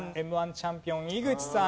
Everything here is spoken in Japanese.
チャンピオン井口さん